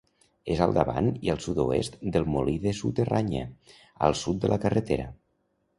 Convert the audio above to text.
És al davant i al sud-oest del Molí de Suterranya, al sud de la carretera.